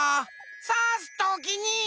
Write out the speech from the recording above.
さすときに。